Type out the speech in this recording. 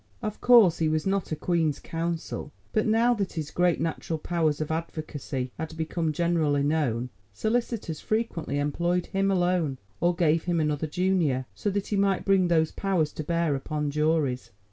Of course, he was not a Queen's Counsel, but now that his great natural powers of advocacy had become generally known, solicitors frequently employed him alone, or gave him another junior, so that he might bring those powers to bear upon juries.